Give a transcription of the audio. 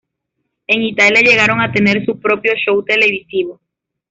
En Italia llegaron a tener su propio show televisivo.